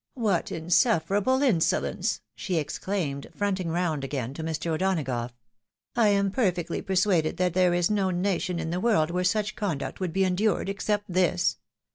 " What insufferable insolence !" she exclaimed, fronting round again to Mr. O'Donagough ;" I am perfectly persuaded that there is no nation in the world where such conduct woulil be endured, except this